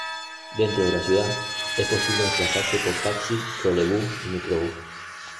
Dentro de la ciudad es posible desplazarse por taxi, trolebús y microbús.